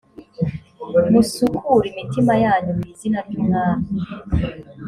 musukure imitima yanyu mu izina ry’umwami